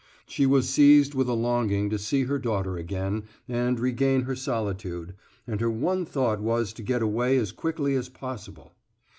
She was seized with a longing to see her daughter again, and regain her solitude, and her one thought was to get away as quickly as possible.